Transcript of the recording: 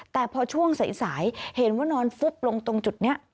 แต่พอช่วงสายเห็นว่านอนฟุบลงตรงจุดนี้